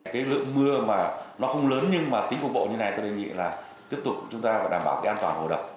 cái lượng mưa mà nó không lớn nhưng mà tính phục vụ như này tôi đề nghị là tiếp tục chúng ta đảm bảo cái an toàn hồ đồng